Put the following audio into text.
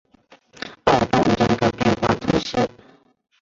奥班人口变化图示